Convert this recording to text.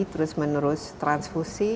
terus menerus transfusi